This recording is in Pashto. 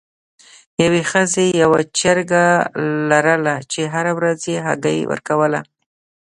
یوې ښځې یوه چرګه لرله چې هره ورځ یې هګۍ ورکوله.